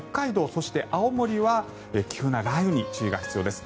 そして青森は急な雷雨に注意が必要です。